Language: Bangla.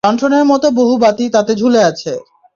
লন্ঠনের মতো বহু বাতি তাতে ঝুলে আছে।